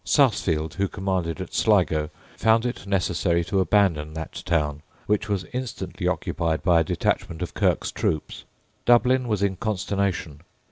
Sarsfield, who commanded at Sligo, found it necessary to abandon that town, which was instantly occupied by a detachment of Kirke's troops, Dublin was in consternation.